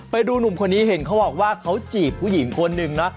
ไปดูหนุ่มคนนี้เห็นเขาบอกว่าเขาจีบผู้หญิงคนหนึ่งนะ